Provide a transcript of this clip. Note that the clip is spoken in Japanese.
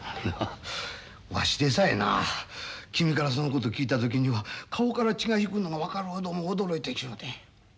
わしでさえな君からそのこと聞いた時には顔から血が引くのが分かるほど驚いたっちゅうて。